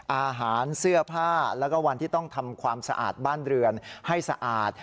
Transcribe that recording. อาหารเสื้อผ้าแล้วก็วันที่ต้องทำความสะอาดบ้านเรือนให้สะอาด